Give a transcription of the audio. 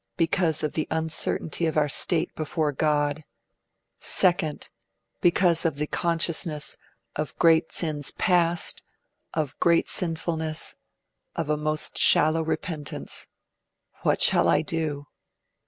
Because of the uncertainty of our state before God. 2. Because of the consciousness (1) of great sins past, (2) of great sinfulness, (3) of most shallow repentance. What shall I do?'